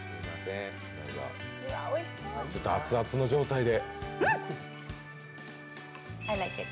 熱々の状態で。